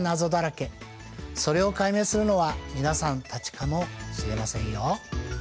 それを解明するのは皆さんたちかもしれませんよ。